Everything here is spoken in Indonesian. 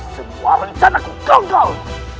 semua rencana ku gagal